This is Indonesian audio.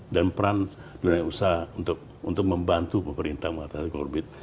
dan peran dunia usaha untuk membantu pemerintah mengatakan covid